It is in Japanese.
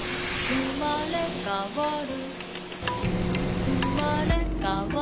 「うまれかわる」